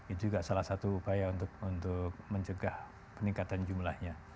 itu juga salah satu upaya untuk mencegah peningkatan jumlahnya